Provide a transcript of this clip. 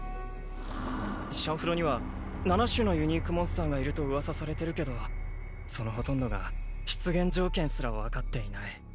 「シャンフロ」には七種のユニークモンスターがいるとうわさされてるけどそのほとんどが出現条件すら分かっていない。